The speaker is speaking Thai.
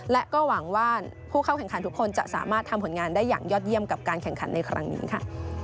และก็หวังว่าผู้เข้าแข่งขันทุกคนจะสามารถทำผลงานได้อย่างยอดเยี่ยมกับการแข่งขันในครั้งนี้ค่ะ